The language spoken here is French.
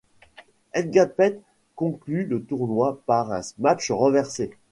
Ngapeth conclut le tournoi par un smash renversé.